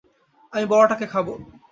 আমি বড়টাকে খাব।